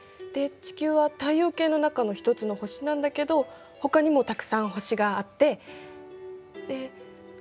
で地球は太陽系の中の一つの星なんだけどほかにもたくさん星があってで。